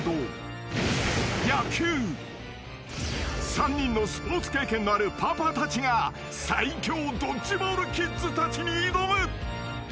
［３人のスポーツ経験のあるパパたちが最強ドッジボールキッズたちに挑む］